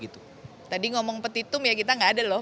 tadi ngomong petitum ya kita nggak ada loh